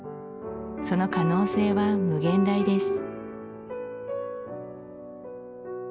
その可能性は無限大です